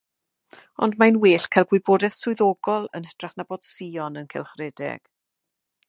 Ond mae'n well cael gwybodaeth swyddogol yn hytrach na bod sïon yn cylchredeg.